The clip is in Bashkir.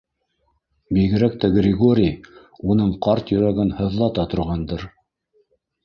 Бигерәк тә Григорий уның ҡарт йөрәген һыҙлата торғандыр.